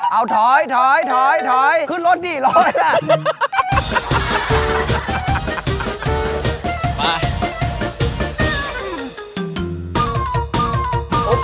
เอาถอยถอยถอยถอยขึ้นรถดิรอไว้ล่ะ